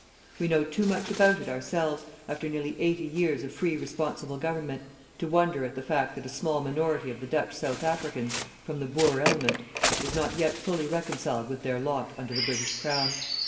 We know too much about it ourselves, after nearly eighty years of free responsible government, to wonder at the fact that a small minority of the Dutch South Africans from the Boer element is not yet fully reconciled with their lot under the British Crown.